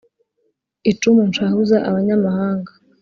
icumu nshahuza abanyamahanga